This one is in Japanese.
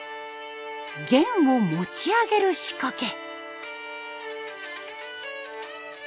弦を持ち上げる仕掛け。